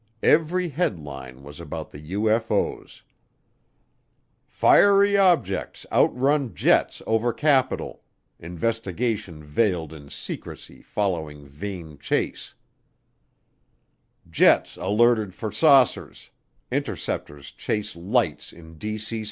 Every headline was about the UFO's: FIERY OBJECTS OUTRUN JETS OVER CAPITAL INVESTIGATION VEILED IN SECRECY FOLLOWING VAIN CHASE JETS ALERTED FOR SAUCERS INTERCEPTORS CHASE LIGHTS IN D.C.